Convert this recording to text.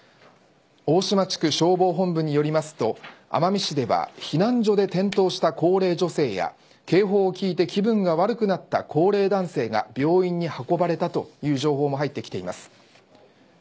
大島地区消防本部によりますと奄美市では避難所で転倒した高齢女性や警報を聞いて気分が悪くなった高齢男性が病院に運ばれたという情報も入ってきています。